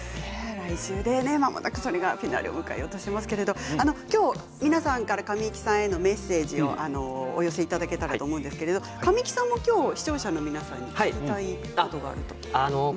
来週まもなくフィナーレを迎えようとしていますが今日、皆さんから神木さんへのメッセージをお寄せいただけたらと思うんですが、神木さんも視聴者の皆さんに聞きたいことがあると聞きました。